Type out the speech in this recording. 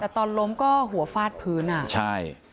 แต่ตอนล้มก็หัวฟาดพื้นอ่ะใช่